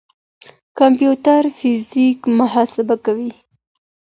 کمپيوټر فزيک محاسبه کوي.